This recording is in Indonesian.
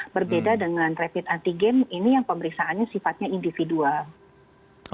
berbeda dengan rapid antigen ini yang pemeriksaannya sifatnya individual